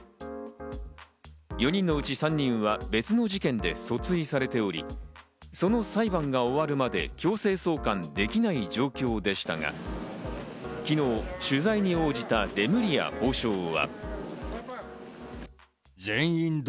４人のうち３人は別の事件で訴追されており、その裁判が終わるまで、強制送還できない状況でしたが、昨日、取材に応じたレムリヤ法相は。